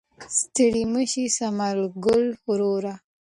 ستړی مه شې ثمر ګله وروره.